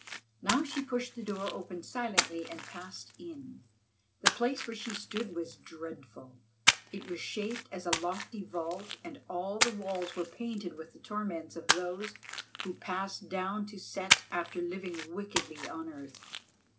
Now she pushed the door open silently and passed in. The place where she stood was dreadful. It was shaped as a lofty vault, and all the walls were painted with the torments of those who pass down to Set after living wickedly on earth.